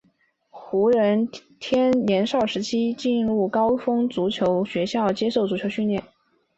胡人天少年时期进入高丰文足球学校接受足球训练。